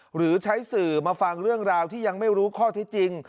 หรือใช้สื่อมาฟังเรื่องราวที่ยังไม่รู้ข้อที่จริง